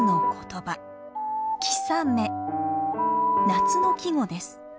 夏の季語です。